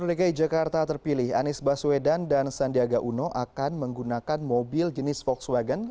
gubernur dki jakarta terpilih anies baswedan dan sandiaga uno akan menggunakan mobil jenis volkswagen